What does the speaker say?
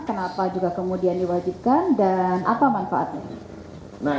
kenapa juga kemudian diwajibkan dan apa manfaatnya